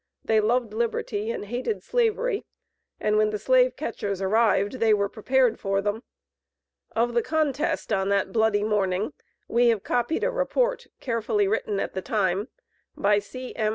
They loved liberty and hated Slavery, and when the slave catchers arrived, they were prepared for them. Of the contest, on that bloody morning, we have copied a report, carefully written at the time, by C.M.